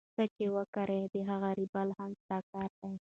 څه چي وکرې د هغه رېبل هم ستا کار دئ.